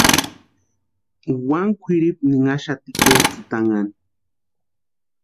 Wani kwʼiripu niraxati kʼetsïtanhani.